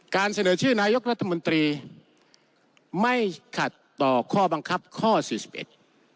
เสนอชื่อนายกรัฐมนตรีไม่ขัดต่อข้อบังคับข้อสี่สิบเอ็ด